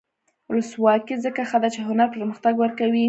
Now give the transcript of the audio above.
ولسواکي ځکه ښه ده چې هنر پرمختګ ورکوي.